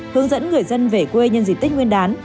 hướng dẫn người dân về quê nhân dịp tết nguyên đán